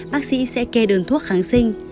bác sĩ sẽ kê đơn thuốc kháng sinh